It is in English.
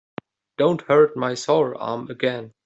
Don't hurt my sore arm again.